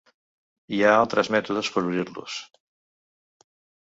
Hi ha altres mètodes per obrir-los.